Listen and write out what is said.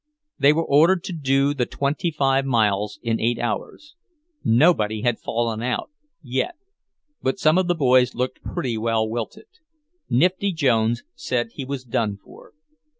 They were ordered to do the twenty five miles in eight hours. Nobody had fallen out yet, but some of the boys looked pretty well wilted. Nifty Jones said he was done for.